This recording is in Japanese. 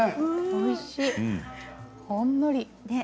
おいしい、ほんのり。